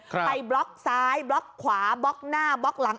ไปบล็อกซ้ายบล็อกขวาบล็อกหน้าบล็อกหลัง